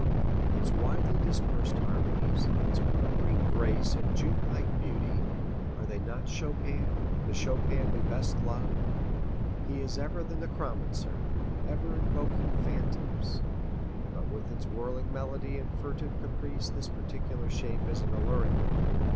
Its widely dispersed harmonies, its murmuring grace and June like beauty, are they not Chopin, the Chopin we best love? He is ever the necromancer, ever invoking phantoms, but with its whirring melody and furtive caprice this particular shape is an alluring one.